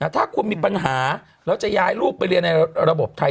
ถ้าคุณมีปัญหาแล้วจะย้ายลูกไปเรียนในระบบไทย